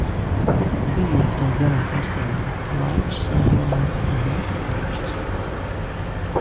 Biju atkal garā pastaigā, laiks saulains, bet auksts.